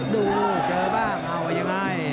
ดูเจอบ้างเอาว่ายังไง